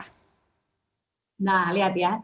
nah lihat ya